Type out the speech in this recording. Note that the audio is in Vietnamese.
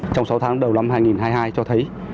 trong sáu tháng đầu năm hai nghìn hai mươi hai cho thấy